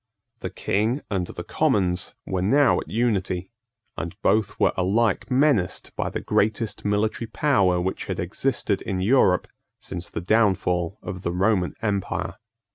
The King and the Commons were now at unity; and both were alike menaced by the greatest military power which had existed in Europe since the downfall of the Roman empire.